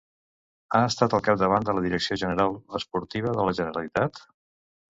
Ha estat al capdavant de la direcció general esportiva de la Generalitat?